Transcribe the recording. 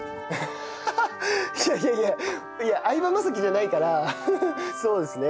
いやいやいやいや相葉雅紀じゃないからそうですね